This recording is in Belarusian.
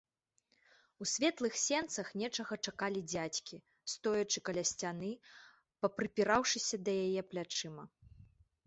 У светлых сенцах нечага чакалі дзядзькі, стоячы каля сцяны, папрыпіраўшыся да яе плячыма.